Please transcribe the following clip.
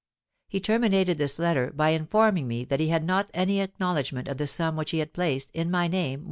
He terminated this letter by informing me that he had not any acknowledgment of the sum which he had placed, in my name, with M.